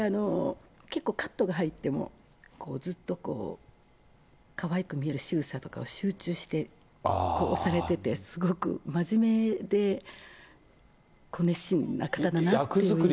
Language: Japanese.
結構、カットが入っても、ずっとこう、かわいく見えるしぐさとかを、集中してされてて、すごく真面目で、役作りを。